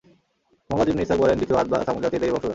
Muhammad ibn Ishaq বলেন, দ্বিতীয় Ad বা ছামূদ জাতি এদেরই বংশধর।